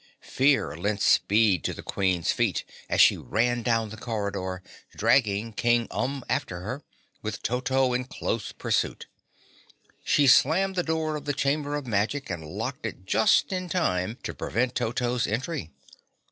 Fear lent speed to the Queen's feet as she ran down the corridor, dragging King Umb after her, with Toto in close pursuit. She slammed the door of the Chamber of Magic and locked it just in time to prevent Toto's entry.